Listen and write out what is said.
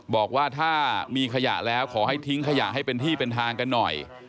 บอกว่าถ้ามีขยะแล้วขอให้ทิ้งขยะให้เป็นที่เป็นทางกันหน่อย